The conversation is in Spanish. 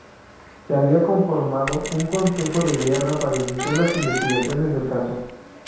Se había conformado un Consejo de Guerra para iniciar las investigaciones del caso.